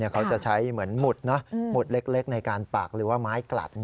เขาจะใช้เหมือนหมุดหมุดเล็กในการปักหรือว่าไม้กลัด